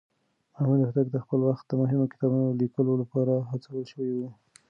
محمد هوتک د خپل وخت د مهمو کتابونو ليکلو لپاره هڅول شوی و.